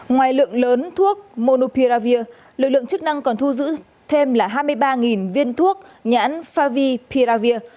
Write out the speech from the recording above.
ngoài lượng lớn thuốc monupiravir lực lượng chức năng còn thu giữ thêm là hai mươi ba viên thuốc nhãn favi piravir